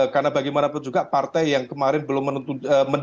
karena bagaimana pun juga partai yang kemarin belum menentukan